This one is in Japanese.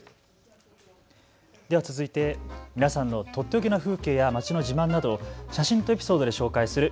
では続いて皆さんのとっておきの風景や街の自慢などを写真とエピソードで紹介する＃